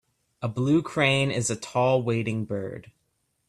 A blue crane is a tall wading bird.